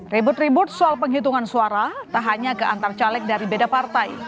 ribut ribut soal penghitungan suara tak hanya ke antar caleg dari beda partai